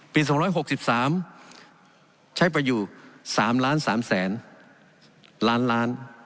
ปี๒๖๓ใช้ไปอยู่๓ล้าน๓แสนล้านล้าน